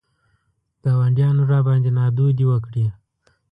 ګاونډیانو راباندې نادودې وکړې.